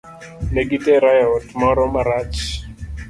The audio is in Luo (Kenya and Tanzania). Negi tera e ot moro marach.